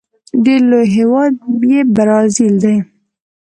ډیر لوی هیواد یې برازيل دی.